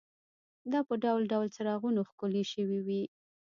دا په ډول ډول څراغونو ښکلې شوې وې.